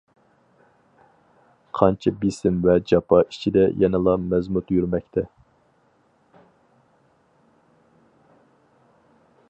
قانچە بېسىم ۋە جاپا ئىچىدە يەنىلا مەزمۇت يۈرمەكتە.